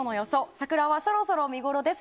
桜はそろそろ見ごろです。